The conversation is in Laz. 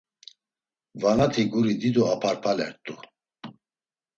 Vanati guri dido aparpalert̆u.